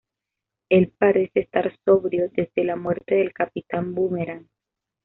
Él parece estar sobrio desde la muerte del Capitán Bumerang.